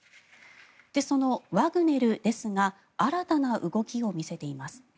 そのワグネルですが新たな動きを見せています。